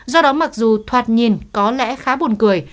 do đó mặc dù thoạt nhìn có lẽ khá buồn cười